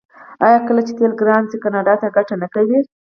آیا کله چې تیل ګران شي کاناډا ګټه نه کوي؟